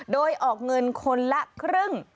โดยออกเงินคนละครึ่ง